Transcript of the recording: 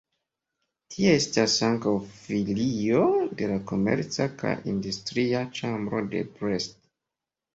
Tie estas ankaŭ filio de la komerca kaj industria ĉambro de Brest.